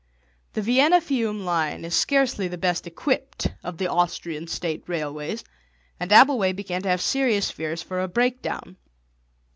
The Vienna Fiume line is scarcely the best equipped of the Austrian State railways, and Abbleway began to have serious fears for a breakdown.